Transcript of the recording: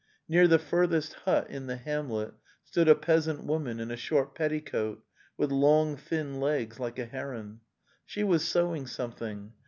Near the furthest hut in the hamlet stood a peasant woman in a short petti coat, with long thin legs like a heron. She was sow ing something.